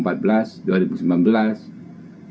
pak prabowo terus mewanti wanti